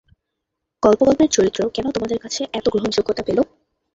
কল্পগল্পের চরিত্র কেন তোমাদের কাছে এত গ্রহণযোগ্যতা পেল?